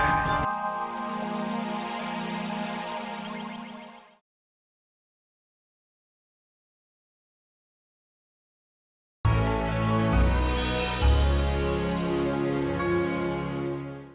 kami menangkap kalian